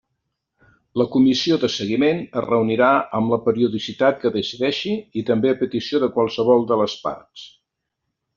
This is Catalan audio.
La comissió de seguiment es reunirà amb la periodicitat que decideixi i també a petició de qualsevol de les parts.